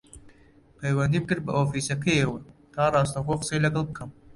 پەیوەندیم کرد بە ئۆفیسەکەیەوە تا ڕاستەوخۆ قسەی لەگەڵ بکەم